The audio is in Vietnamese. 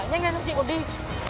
nhanh hơn chị một đi